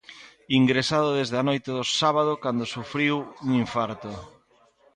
Ingresado desde a noite do sábado cando sufriu un infarto.